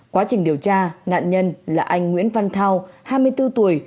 quá trình điều tra nạn nhân là anh nguyễn văn thao hai mươi bốn tuổi